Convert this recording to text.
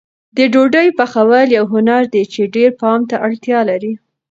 د ډوډۍ پخول یو هنر دی چې ډېر پام ته اړتیا لري.